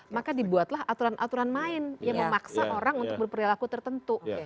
maka dibuatlah aturan aturan main yang memaksa orang untuk berperilaku tertentu